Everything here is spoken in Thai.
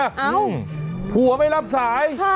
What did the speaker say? เอ้าผัวไม่รับสาย